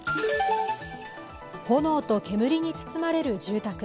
炎と煙に包まれる住宅。